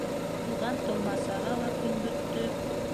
Туған-тыумасаға ла көн бөттө.